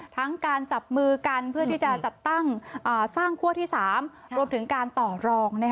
ทั้งการจับมือกันเพื่อที่จะจัดตั้งสร้างคั่วที่๓รวมถึงการต่อรอง